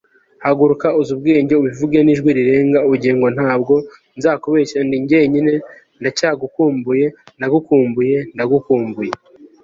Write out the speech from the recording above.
haguruka, uzi ubwenge, ubivuge n'ijwi rirenga ubugingo, ntabwo nzakubeshya ndi jyenyine ndacyagukumbuye, ndagukumbuye, ndagukumbuye